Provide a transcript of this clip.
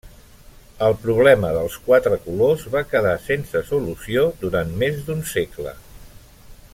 El problema dels quatre colors va quedar sense solució durant més d'un segle.